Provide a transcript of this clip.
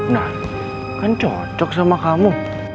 nah kan cocok sama kamu